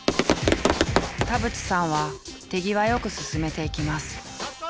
田渕さんは手際よく進めていきます。